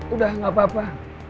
udah gak apa apa